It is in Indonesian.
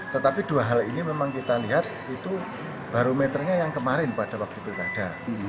tetapi dua hal ini memang kita lihat itu barometernya yang kemarin pada waktu pilkada